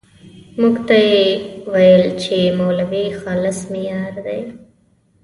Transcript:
موږ ته یې ويل چې مولوي خالص مې يار دی.